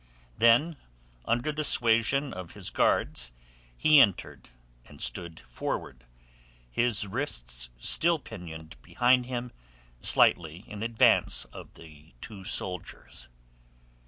Then under the suasion of his guards he entered, and stood forward, his wrists still pinioned behind him, slightly in advance of the two soldiers.